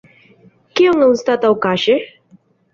Kion anstataŭ kaŝe?